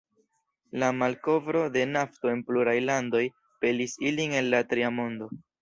La malkovro de nafto en pluraj landoj pelis ilin el la Tria Mondo.